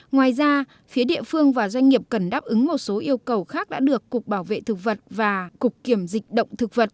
ngoài ra phía địa phương và doanh nghiệp cần đáp ứng một số yêu cầu khác đã được cục bảo vệ thực vật và cục kiểm dịch động thực vật